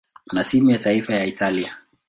na timu ya taifa ya Italia.